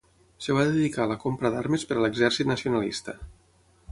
Es va dedicar a la compra d'armes per a l'exèrcit nacionalista.